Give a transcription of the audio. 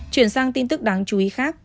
chuyển sang tin tức đáng chú ý khác